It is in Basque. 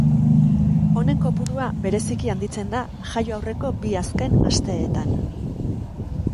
Honen kopurua bereziki handitzen da jaio aurreko bi azken asteetan.